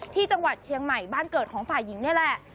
ที่จังหวัดเชียงใหม่บ้านเกิดของฝ่ายหญิงนี่แหละ